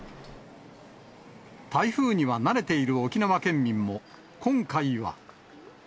台風には慣れている沖縄県民も、今回は。